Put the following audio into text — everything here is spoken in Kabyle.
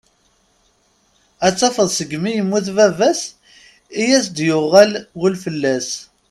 Ad tafeḍ segmi i yemmut baba-s i ay-d-yuɣal wul fall-as.